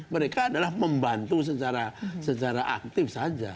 mereka adalah membantu secara aktif saja